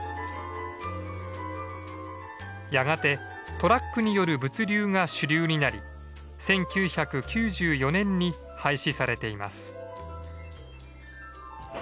やがてトラックによる物流が主流になり１９９４年に廃止されています。